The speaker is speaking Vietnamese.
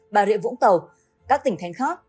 bà rịa vũng tàu các tỉnh thánh khác